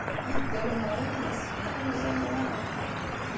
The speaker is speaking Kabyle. Yedder neɣ yemmet, ur nẓimeɣ ara.